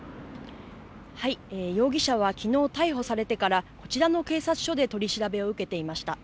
容疑者はきのう逮捕されてからこちらの警察署で取り調べを受けていました。